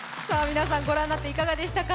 皆さん、御覧になっていかがでしたか？